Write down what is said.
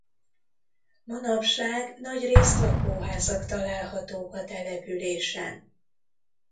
Manapság nagyrészt lakóházak találhatók a településen.